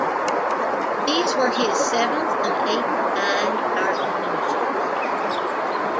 These were his seventh and eighth nine-dart finishes.